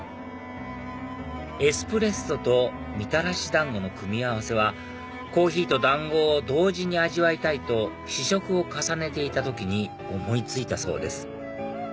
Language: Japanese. エスプレッソとみたらし団子の組み合わせはコーヒーと団子を同時に味わいたいと試食を重ねていた時に思い付いたそうです